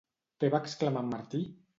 Què va exclamar en Martí?